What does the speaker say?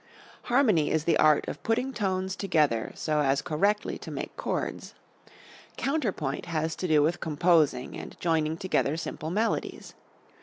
Harmony is the art of putting tones together so as correctly to make chords. Counterpoint has to do with composing and joining together simple melodies.